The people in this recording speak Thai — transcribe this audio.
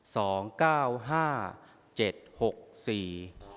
สองเก้าห้าเจ็ดหกสี่